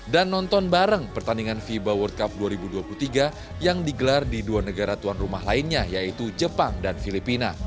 dan nonton bareng pertandingan fiba world cup dua ribu dua puluh tiga yang digelar di dua negara tuan rumah lainnya yaitu jepang dan filipina